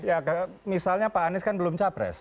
ya misalnya pak anies kan belum capres